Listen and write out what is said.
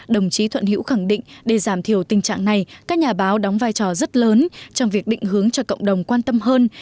đồng chí thuận hữu khẳng định để giảm thiểu tình trạng này các nhà báo đóng vai trò rất lớn trong việc định hướng cho cộng đồng quan tâm hơn